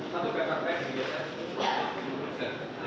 satu paper bag di sini